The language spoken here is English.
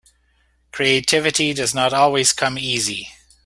Creativity does not always come easy.